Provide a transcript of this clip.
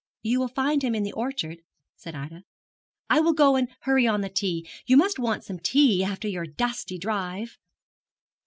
'You will find him in the orchard,' said Ida. 'I will go and hurry on the tea. You must want some tea after your dusty drive.'